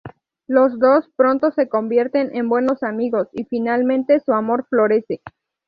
Los dos pronto se convierten en buenos amigos y, finalmente, su amor florece.